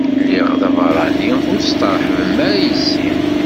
Lliɣ d abeṛṛani, ur testeṛḥbem ara yes-i.